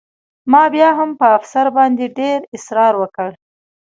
ما بیا هم په افسر باندې ډېر اسرار وکړ